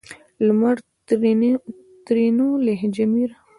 لمر؛ ترينو لهجه مير